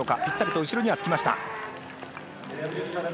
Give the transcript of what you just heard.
ぴったりと後ろにつきました。